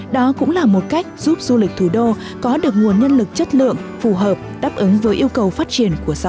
đó cũng là một cách giúp du lịch thủ đô có được nguồn nhân lực chất lượng phù hợp đáp ứng với yêu cầu phát triển của xã hội